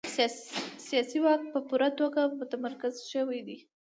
سیاسي واک په پوره توګه متمرکز شوی و.